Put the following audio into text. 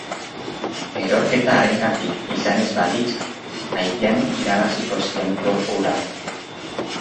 Erorketa harengatik izan ez balitz, aidean irabaziko zian Tour hura.